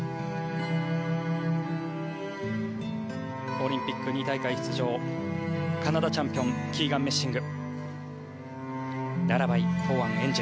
オリンピック２大会出場カナダチャンピオンキーガン・メッシング。